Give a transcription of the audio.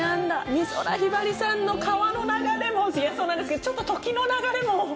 美空ひばりさんの『川の流れ』もそうなんですけどちょっと『時の流れ』も。